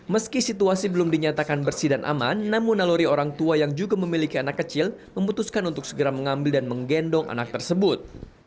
meski situasi belum dinyatakan bersih dan aman namun naluri orang tua yang juga memiliki anak kecil memutuskan untuk segera mengambil dan menggendong anak tersebut